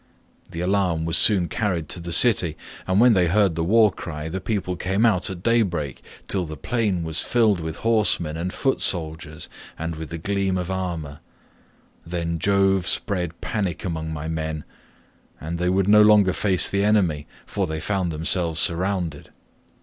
The alarm was soon carried to the city, and when they heard the war cry, the people came out at daybreak till the plain was filled with horsemen and foot soldiers and with the gleam of armour. Then Jove spread panic among my men, and they would no longer face the enemy, for they found themselves surrounded.